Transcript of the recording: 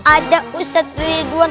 ada ustadz duyiduan